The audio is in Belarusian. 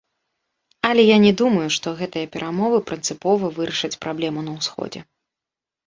Але я не думаю, што гэтыя перамовы прынцыпова вырашаць праблему на ўсходзе.